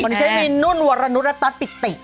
คนที่ใช้มีนนุ่นวรรณุระตาปิดติ